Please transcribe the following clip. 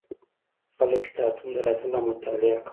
خلک کتابتون ته راتلل او مطالعه یې کوله.